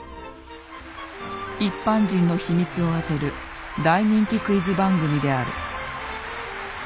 一般人の秘密を当てる大人気クイズ番組である。